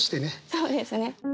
そうですね。